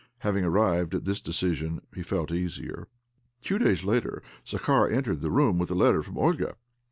'Having, (arrived at this decision, he felt easier. Two days later, Zakhar entered the room with a letter from Olga.